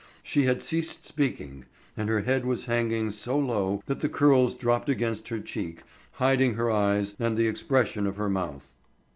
She had ceased speaking and her head was hanging so low that the curls dropped against her cheek, hiding her eyes and the expression of her mouth.